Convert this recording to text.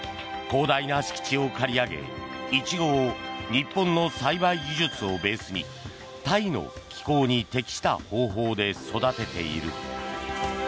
広大な敷地を借り上げイチゴを日本の栽培技術をベースにタイの気候に適した方法で育てている。